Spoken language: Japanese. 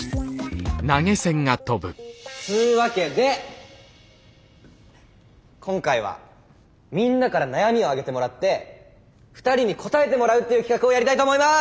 つうわけで今回はみんなから悩みを挙げてもらって２人に答えてもらうっていう企画をやりたいと思います。